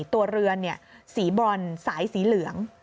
ตัวเรือนสีบรอนสายสีเหลือง